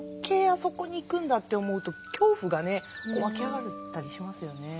そこにいくんだという恐怖が湧き上がったりしますよね。